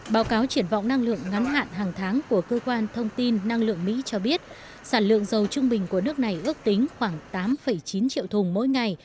báo cáo triển vọng năng lượng ngắn hạn hàng tháng của cơ quan thông tin năng lượng mỹ cho biết sản lượng dầu trung bình của nước này ước tính khoảng tám chín triệu thùng mỗi ngày